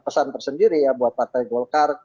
pesan tersendiri ya buat partai golkar